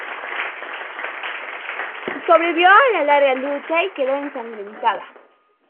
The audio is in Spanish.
Sobrevivió a la larga lucha y quedó ensangrentada.